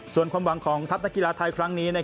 ส่วนความหวังของทัพนักกีฬาไทยครั้งนี้